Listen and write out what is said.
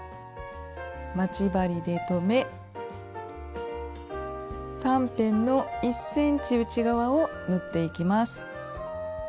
待ち針で留め短辺の１ｃｍ内側を縫っていきます。